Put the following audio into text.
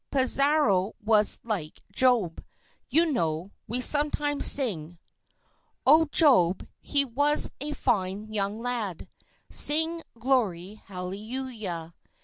Pizarro was like Job. You know, we sometimes sing: Oh, Job, he was a fine young lad, Sing glory hallelujah.